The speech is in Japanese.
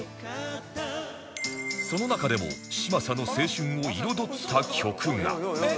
その中でも嶋佐の青春を彩った曲が